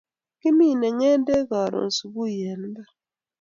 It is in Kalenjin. Kimine ngedek karun subui en imbar